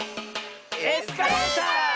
「エスカレーター」！